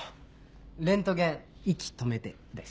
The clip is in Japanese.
「レントゲン・息止めて」です。